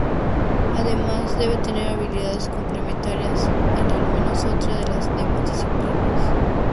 Además debe tener habilidades complementarias en al menos otra de las demás disciplinas.